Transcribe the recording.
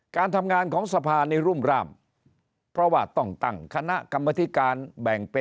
การทำงานของสภาในรุ่มร่ามเพราะว่าต้องตั้ง